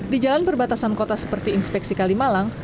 di jalan perbatasan kota seperti inspeksi kalimalang